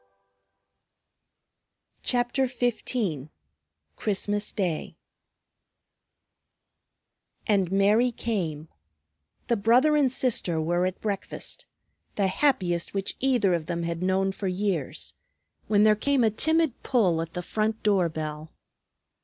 _" CHAPTER XV CHRISTMAS DAY And Mary came. The brother and sister were at breakfast, the happiest which either of them had known for years, when there came a timid pull at the front door bell.